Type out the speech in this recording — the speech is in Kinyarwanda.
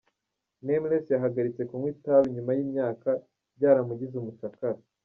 Nameless yahagaritse kunywa itabi nyuma y’imyaka ryaramugize umucakara.